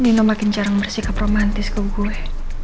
minum makin jarang bersikap romantis ke gue